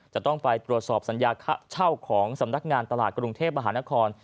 จะต้องไปตรวจสอบสัญญาค่าเช่าของสำนักงานตลาดกรุงเทพมหานคร